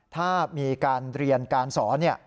ถ้ามีการเรียนการสอน